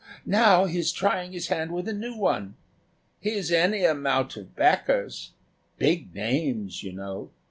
Now he's trying his hand with a new one. He's any amount of backers big names, you know.